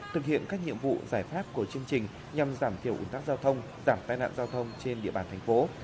thực hiện các nhiệm vụ giải pháp của chương trình nhằm giảm thiểu ủng tác giao thông giảm tai nạn giao thông trên địa bàn thành phố